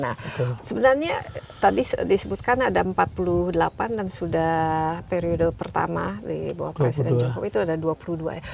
nah sebenarnya tadi disebutkan ada empat puluh delapan dan sudah periode pertama di bawah presiden jokowi itu ada dua puluh dua ya